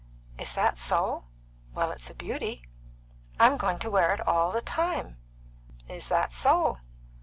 "Is that so? Well, it's a beauty." "I'm going to wear it all the time." "Is that so?